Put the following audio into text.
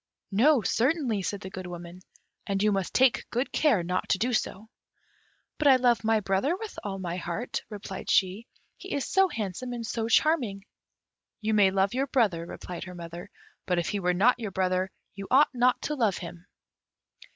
"No, certainly," said the Good Woman, "and you must take good care not to do so." "But I love my brother with all my heart," replied she; "he is so handsome and so charming." "You may love your brother," replied her mother; "but if he were not your brother you ought not to love him."